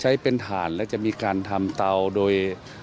ใช้เป็นถ่านและจะมีการทำเตาโดย